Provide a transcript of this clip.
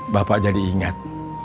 bapak jadi ingat